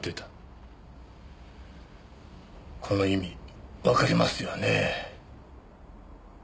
この意味わかりますよねぇ？